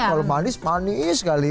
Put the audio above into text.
kalau manis manis sekali